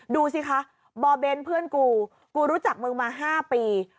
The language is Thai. ดูสิคะบอเบนเพื่อนกูกูรู้จักมึงมา๕ปี